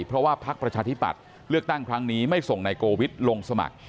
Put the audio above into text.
เพราะว่าพักประชาธิปัตย์เลือกตั้งครั้งนี้ไม่ส่งนายโกวิทลงสมัคร